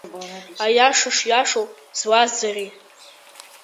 Аиаша шиашоу злазӡари?